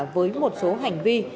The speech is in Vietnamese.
với một số hành vi